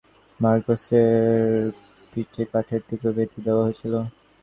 সোজা হয়ে হাঁটতে শেখানোর জন্য মারকোসের পিঠে কাঠের টুকরো বেঁধে দেওয়া হয়েছিল।